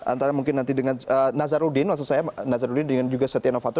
antara mungkin nanti dengan nazarudin maksud saya nazarudin dengan juga setia novanto